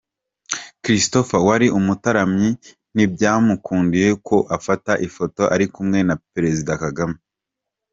Christopher wari umutaramyi ntibyamukundiye ko afata ifoto ari kumwe na Perezida Kagame.